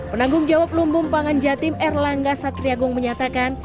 penanggung jawab lumbung pangan jatim r langga satriagung menyatakan